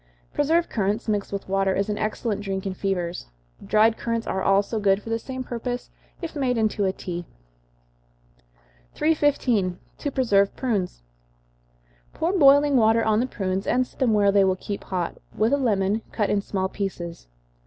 Preserved currants, mixed with water, is an excellent drink in fevers. Dried currants are also good for the same purpose, if made into a tea. 315. To Preserve Prunes. Pour boiling water on the prunes, and set them where they will keep hot, with a lemon, cut in small pieces.